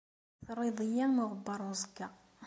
Terriḍ-iyi am uɣebbar n uẓekka.